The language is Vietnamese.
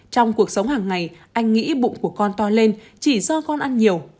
trong cuộc sống hàng ngày anh nghĩ bụng của con to lên chỉ do con ăn nhiều